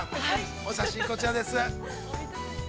お写真、こちらです。